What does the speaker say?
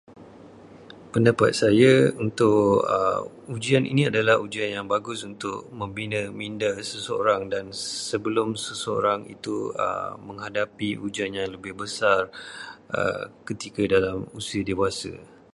Pendapat saya untuk ujian ini adalah ujian yang bagus untuk membina minda seseorang dan sebelum seseorang itu menghadapi ujian yang lebih besar ketika dalam usia dewasa.